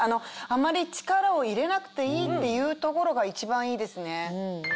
あまり力を入れなくていいっていうところが一番いいですね。